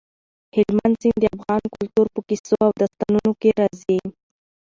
هلمند سیند د افغان کلتور په کیسو او داستانونو کې راځي.